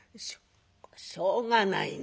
「しょうがないな